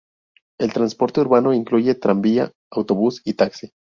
El transporte urbano incluye tranvía, autobús y taxi.